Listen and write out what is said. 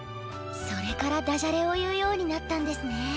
それからだじゃれをいうようになったんですね。